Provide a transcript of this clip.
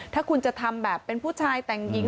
ถ้าคุณจะทำแบบเป็นผู้ชายแต่งหญิง